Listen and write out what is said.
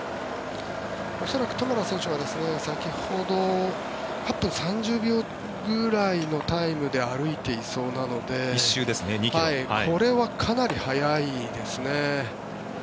恐らくトマラ選手は、先ほど８分３０秒ぐらいのタイムで歩いていそうなのでこれはかなり速いですね。